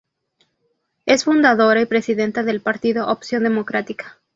Es fundadora y presidenta del partido Opción Democrática.